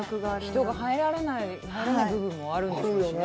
人が入れない部分もあるんでしょうしね。